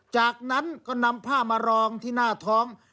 จากนั้นก็นำผ้ามารองที่หน้าท้อง